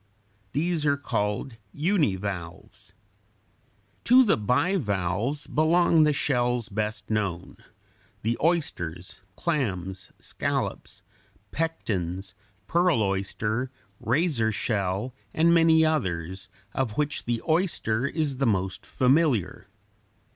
These are called univalves. To the bivalves belong the shells best known, the oysters, clams, scallops, pectens, pearl oyster, razor shell, and many others, of which the oyster is the most familiar.